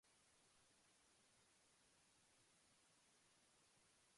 He became famous overnight after his amazing performance in the movie.